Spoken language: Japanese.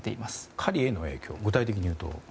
狩りへの影響とは具体的に言うと。